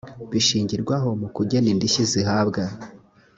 bishingirwaho mu kugena indishyi zihabwa